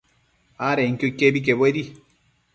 adenquio iquebi quebuedi